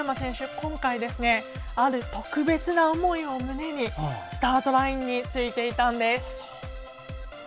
今回、ある特別な思いを胸にスタートラインについていたんです。